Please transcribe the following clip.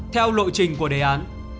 theo lộ trình của đề án